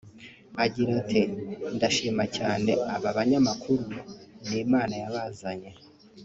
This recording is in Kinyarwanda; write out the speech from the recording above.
Agira ati “Ndashima cyane aba banyamakuru n’Imana yabazanye